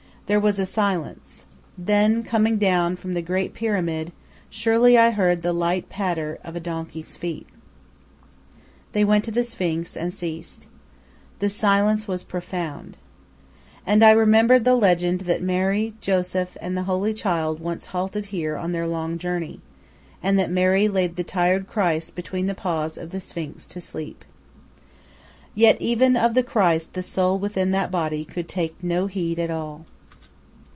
There was a silence. Then, coming down from the Great Pyramid, surely I heard the light patter of a donkey's feet. They went to the Sphinx and ceased. The silence was profound. And I remembered the legend that Mary, Joseph, and the Holy Child once halted here on their long journey, and that Mary laid the tired Christ between the paws of the Sphinx to sleep. Yet even of the Christ the soul within that body could take no heed at all.